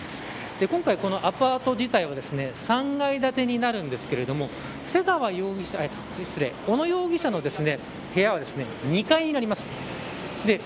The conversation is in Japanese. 今回、アパート自体は３階建てになるんですが小野容疑者の部屋は２階になります。